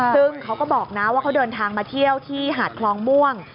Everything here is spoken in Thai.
ซึ่งเขาก็บอกนะว่าเขาเดินทางมาเที่ยวที่หาดคลองม่วง